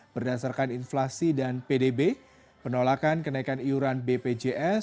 berdasarkan inflasi dan pdb penolakan kenaikan iuran bpjs